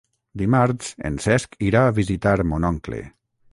Dimarts en Cesc irà a visitar mon oncle.